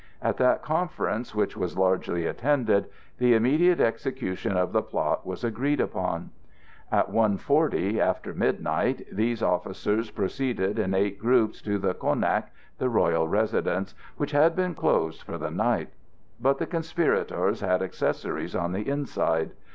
At that conference, which was largely attended, the immediate execution of the plot was agreed upon. At 1:40 after midnight these officers proceeded in eight groups to the Konac, the royal residence, which had been closed for the night. But the conspirators had accessories on the inside.